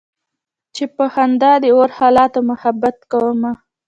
چې په خندا د اور حالاتو محبت کومه